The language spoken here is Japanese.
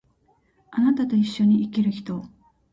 貴方と一緒に生きる人